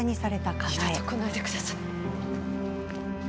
二度と来ないでください。